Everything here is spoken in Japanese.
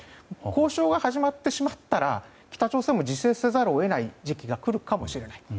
交渉が始まってしまったら北朝鮮も自制せざるを得ない時期が来るかもしれない。